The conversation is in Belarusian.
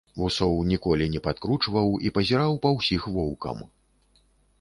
Вусоў ніколі не падкручваў і пазіраў па ўсіх воўкам.